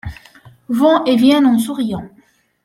Vont et viennent en souriant.